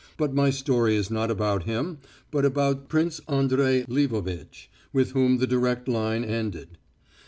But my story is not about him, but about Prince Andrey Lvovitch, with whom the direct line ended.